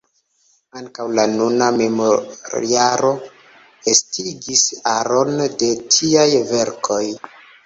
Ankaŭ la nuna memorjaro estigis aron da tiaj verkoj.